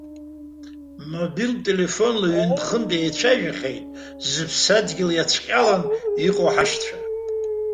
Мобилтә телефонла ҩынтә-хынтә еицәажәахьеит зыԥсадгьыл иацәҟьаланы иҟоу ҳашьцәа.